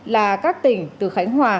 là các tỉnh từ khánh hòa